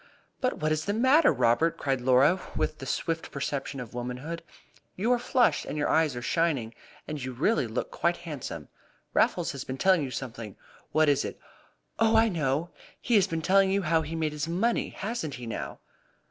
"But what is the matter, Robert?" cried Laura, with the swift perception of womanhood. "You are flushed, and your eyes are shining, and really you look quite handsome. Raffles has been telling you something! What was it? Oh, I know! He has been telling you how he made his money. Hasn't he, now?"